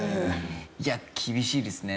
いや厳しいですね。